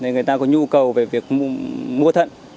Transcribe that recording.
người ta có nhu cầu về việc mua thận